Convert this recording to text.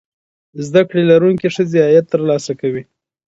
زده کړې لرونکې ښځې عاید ترلاسه کوي.